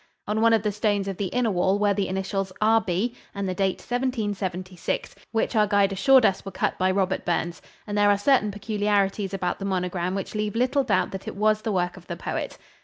On one of the stones of the inner wall were the initials, "R.B.," and the date, "1776," which our guide assured us were cut by Robert Burns; and there are certain peculiarities about the monogram which leave little doubt that it was the work of the poet.